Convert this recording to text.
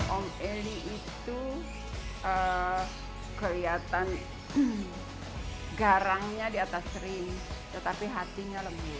om eli itu kelihatan garangnya di atas ring tetapi hatinya lembut